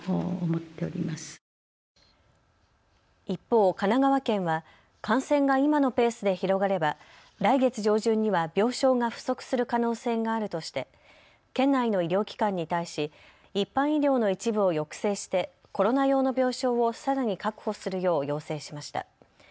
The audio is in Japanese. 一方、神奈川県は感染が今のペースで広がれば来月上旬には病床が不足する可能性があるとして県内の医療機関に対し一般医療の一部を抑制してコロナ用の病床をさらに確保するよう要請しました。